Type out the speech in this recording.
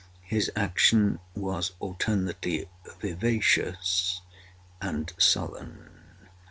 His action was alternately vivacious and sullen.